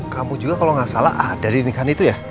kamu juga kalau gak salah ada di nikahan itu ya